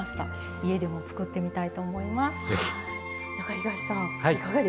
家でも作ってみたいと思います。